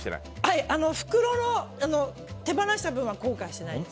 手放した分は後悔してないです。